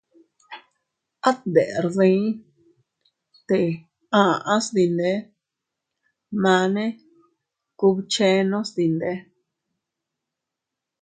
At deʼer dii te a aʼas dinde, mane kubchenos dinde.